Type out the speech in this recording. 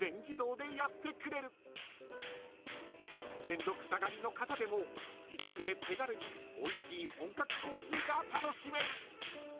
［面倒くさがりの方でも自宅で手軽においしい本格コーヒーが楽しめる］